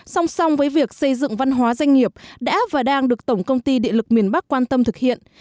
song song với việc xây dựng văn hóa doanh nghiệp đã và đang được tổng công ty điện lực miền bắc quan tâm thực hiện